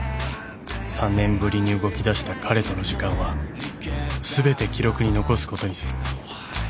［３年ぶりに動き出した彼との時間は全て記録に残すことにする］